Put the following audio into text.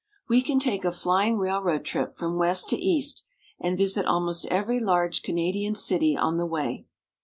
We can take a flying railroad trip from west to east, and visit almost every large Canadian city on the way.